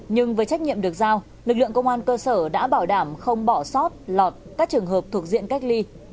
nhưng với trách nhiệm được giao lực lượng công an cơ sở đã bảo đảm không bỏ sót lọt các trường hợp thuộc diện cách ly